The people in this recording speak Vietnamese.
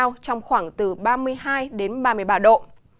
nền nhiệt độ trong khoảng từ ba mươi hai ba mươi ba độ